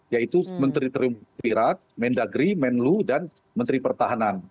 yaitu menteri terim pira men dagri men lu dan menteri pertahanan